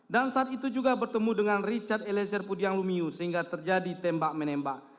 dan saat itu juga bertemu dengan richard elezer pudian lumiu sehingga terjadi tembak menembak